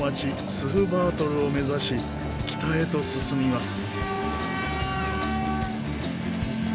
スフバートルを目指し北へと進みます。